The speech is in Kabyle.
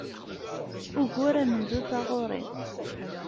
Ugur amenzu d taɣuri.